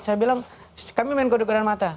saya bilang kami main kode kode dan mata